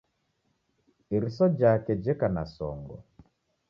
Iriso jake jeka na songo